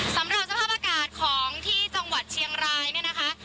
สำหรับสภาพอากาศของที่จังหวัดเชียงรายเนี่ยนะคะ